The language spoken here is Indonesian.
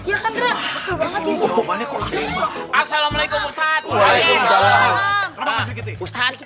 assalamualaikum ustadz waalaikumsalam